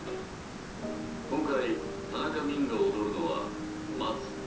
今回田中泯が踊るのは「松」